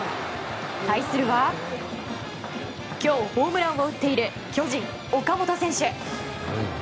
対するは今日ホームランを打っている巨人、岡本選手。